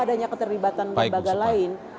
adanya keterlibatan lembaga lain